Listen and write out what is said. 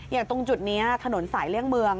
อย่างตรงจุดนี้ถนนสายเลี่ยงเมือง